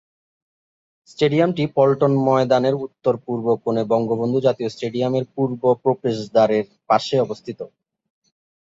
স্টেডিয়ামটি পল্টন ময়দানের উত্তর-পূর্ব কোনে বঙ্গবন্ধু জাতীয় স্টেডিয়ামের পূর্ব প্রবেশদ্বারের পাশে অবস্থিত।